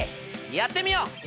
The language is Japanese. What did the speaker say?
やってみよう！